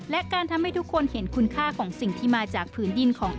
และการทำให้ทุกคนเห็นคุณค่าของสิ่งที่มาจากผืนดินของ